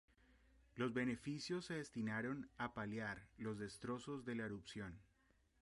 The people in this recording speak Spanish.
Los beneficios se destinaron a paliar los destrozos de la erupción.